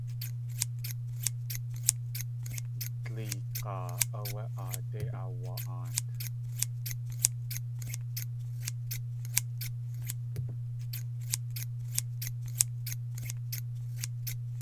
Dleeyg̲áa áwé aadéi aawa.aat.